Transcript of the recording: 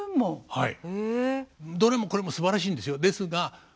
はい。